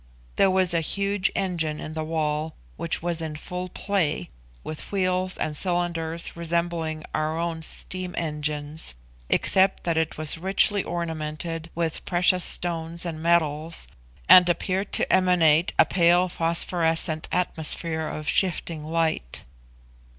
There was a huge engine in the wall which was in full play, with wheels and cylinders resembling our own steam engines, except that it was richly ornamented with precious stones and metals, and appeared to emanate a pale phosphorescent atmosphere of shifting light.